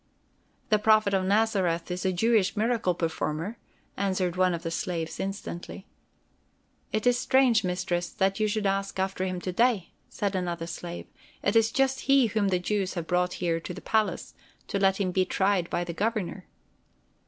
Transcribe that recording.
"The Prophet of Nazareth is a Jewish miracle performer," answered one of the slaves instantly. "It is strange, Mistress, that you should ask after him to day," said another slave. "It is just he whom the Jews have brought here to the palace, to let him be tried by the Governor."